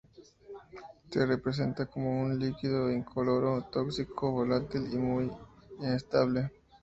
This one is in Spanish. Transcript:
Se presenta como un líquido incoloro, tóxico, volátil y muy inestable.